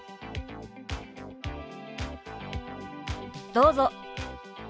どうぞ。